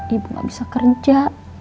ibu gak bisa kerja